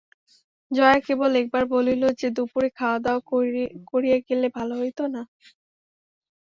জয়া কেবল একবার বলিল যে দুপুরে খাওয়াদাওয়া করিয়া গেলে ভালো হইত না?